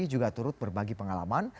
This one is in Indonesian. juga turut berbagi pengalaman